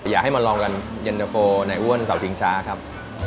อยากให้มาลองกันเย็นแต่โฟล์ไหนอ้วนสาวทิ้งช้าครับ